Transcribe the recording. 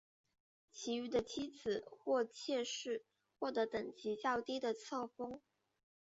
其余的妻子或妾室获得等级较低的册封。